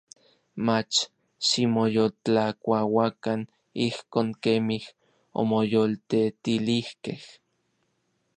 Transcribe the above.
Mach ximoyoltlakuauakan ijkon kemij omoyoltetilijkej.